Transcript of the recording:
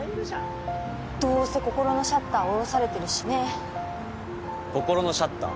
どうせ心のシャッター下ろされてるしね心のシャッター？